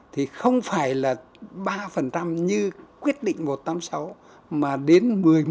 thì không phải là ba như quyết định một trăm tám mươi sáu mà đến một mươi một